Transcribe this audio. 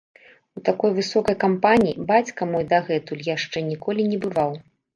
У такой высокай кампаніі бацька мой дагэтуль яшчэ ніколі не бываў.